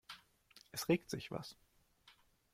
Es regt sich was.